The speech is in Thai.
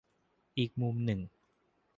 อีกมุมหนึ่ง